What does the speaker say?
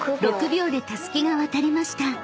６秒でたすきが渡りました］